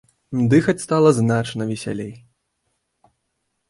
Дыхаць стала значна весялей.